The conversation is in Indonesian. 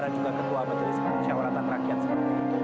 dan juga ketua menteri sekolah rakyat seperti itu